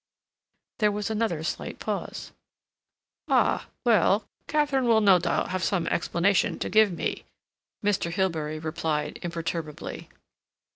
There was another slight pause. "Ah, well, Katharine will no doubt have some explanation to give me," Mr. Hilbery replied imperturbably.